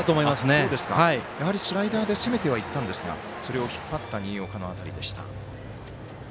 やはりスライダーで攻めてはいったんですがそれを引っ張った新岡の当たりでした。